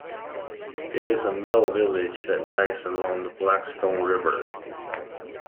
It is a mill village that lies along the Blackstone River.